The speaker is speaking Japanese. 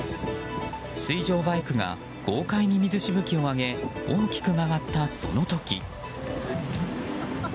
水上バイクが豪快に水しぶきを上げ大きく曲がったその時。